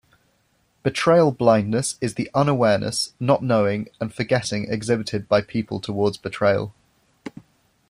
Betrayal blindness is the unawareness, not-knowing, and forgetting exhibited by people towards betrayal.